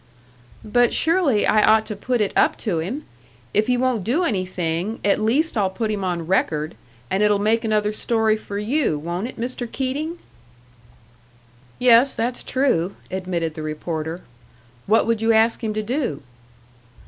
"But surely I ought to put it up to him! If he won't do anything, at least I'll put him on record, and it'll make another story for you, won't it, Mr. Keating?" "Yes, that's true," admitted the reporter. "What would you ask him to do?"